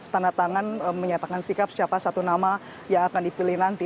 tanda tangan menyatakan sikap siapa satu nama yang akan dipilih nanti